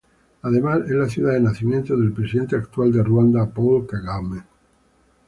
Además es la ciudad de nacimiento del presidente actual de ruanda paul kagame.